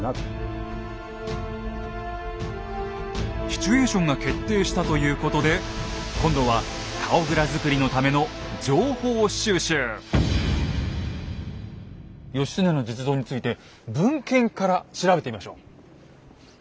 シチュエーションが決定したということで今度は義経の実像について文献から調べてみましょう。